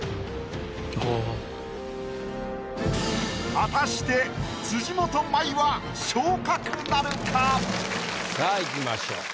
果たして辻元舞はさあいきましょう。